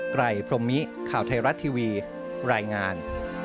ไรพรมมิข่าวไทยรัฐทีวีรายงาน